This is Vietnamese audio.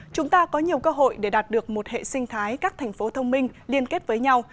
chúng ta có nhiều cơ hội để đạt được một hệ sinh thái các thành phố thông minh liên kết với nhau